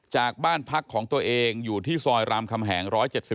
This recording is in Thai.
จากบ้านพักของตัวเองอยู่ที่ซอยรามคำแหง๑๗๐